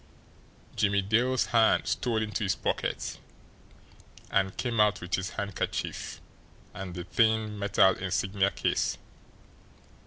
Jimmie Dale's hand stole into his pocket, and came out with his handkerchief and the thin metal insignia case.